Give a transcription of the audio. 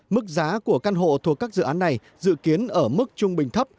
mức giá của căn hộ thuộc các dự án này dự kiến ở mức trung bình thấp